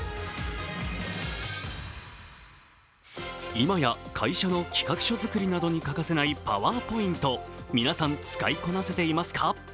今や会社の企画書作りなどに欠かせないパワーポイント、皆さん、使いこなせていますか？